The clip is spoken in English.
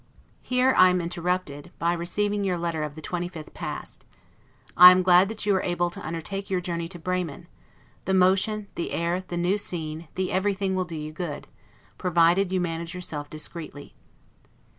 Here I am interrupted, by receiving your letter of the 25th past. I am glad that you are able to undertake your journey to Bremen: the motion, the air, the new scene, the everything, will do you good, provided you manage yourself discreetly.